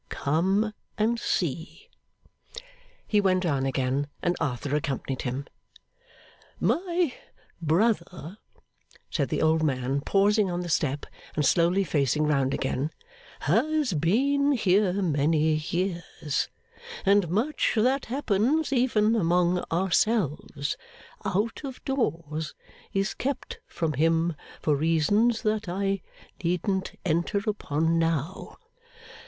Come and see.' He went on again, and Arthur accompanied him. 'My brother,' said the old man, pausing on the step and slowly facing round again, 'has been here many years; and much that happens even among ourselves, out of doors, is kept from him for reasons that I needn't enter upon now.